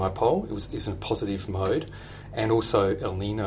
yang berada di posisi positif dan juga di el nino